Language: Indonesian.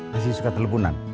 masih suka teleponan